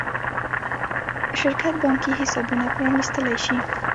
شرکت بانکي حسابونه پرانېستلی شي.